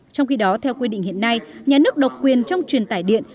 trong khi đó theo quy định hiện nay nhà nước độc quyền trong truyền tải điện